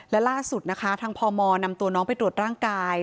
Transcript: และล่าสุดนะคะทางพมนำตัวน้องไปตรวจร่างกาย